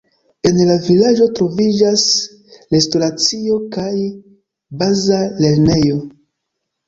En la vilaĝo troviĝas restoracio kaj baza lernejo.